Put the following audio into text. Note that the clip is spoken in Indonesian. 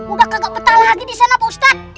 udah kagak petah lagi disana pak ustaz